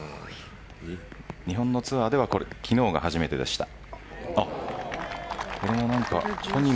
日本のツアーでは昨日が初めてでした。